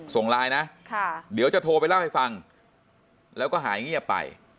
ส่งไลน์นะเดี๋ยวจะโทรไปเล่าให้ฟังแล้วก็หายเงียบไป